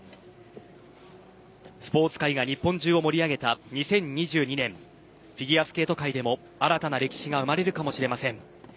スポーツ界が日本中を盛り上げた２０２２年フィギュアスケート界でも新たな歴史が生まれるかもしれません。